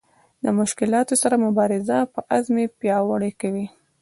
له مشکلاتو سره مبارزه په عزم پیاوړې کوي.